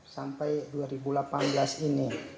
sampai dua ribu delapan belas ini